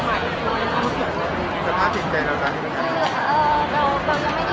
แต่ว่ามันเป็นสิ่งที่อยู่ในสถานการณ์นี้